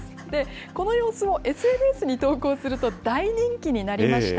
この様子をＳＮＳに投稿すると、大人気になりました。